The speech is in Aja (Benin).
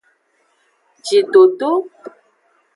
Jidodo.